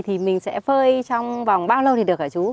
thì mình sẽ phơi trong vòng bao lâu thì được hả chú